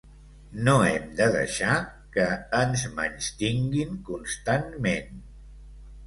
No hem de deixar que ens menystinguin constantment.